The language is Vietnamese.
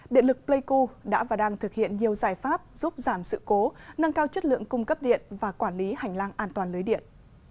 điện lực pleiku đã và đang thực hiện nhiều giải pháp giúp giảm sự cố nâng cao chất lượng cung cấp điện và quản lý hành lang an toàn lưới điện